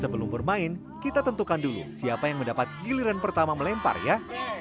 sebelum bermain kita tentukan dulu siapa yang mendapat giliran pertama melempar ya